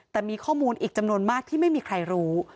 แต่มีข้อมูลอีกจำนวนมากที่ไม่มีใครรู้